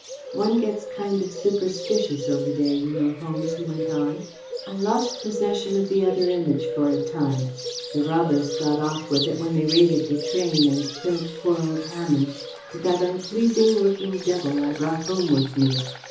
One gets kind of superstitious over there, you know, Holmes," he went on. "I lost possession of the other Image for a time. The robbers got off with it when they raided the train and killed poor old Hammonde, but that unpleasing looking devil I brought home with me.